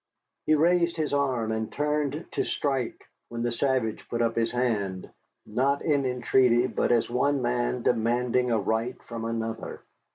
He had raised his arm and turned to strike when the savage put up his hand, not in entreaty, but as one man demanding a right from another.